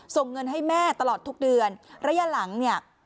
ส่งเงินให้แม่ตลอดทุกเดือนระยะหลังเนี่ย